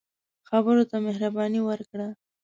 خبرو ته مهرباني ورکړه